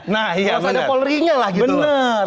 masa ada polrinya lah gitu benar